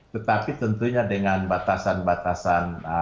tetapi tentunya dengan batasan batasan